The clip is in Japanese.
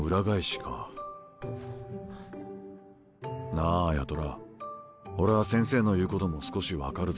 なあ八虎俺は先生の言うことも少し分かるぞ。